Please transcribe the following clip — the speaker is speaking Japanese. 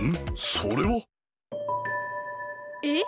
それは？えっ！？